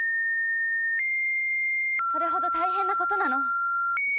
それほど大変なことなの。